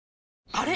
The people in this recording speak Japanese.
あれ？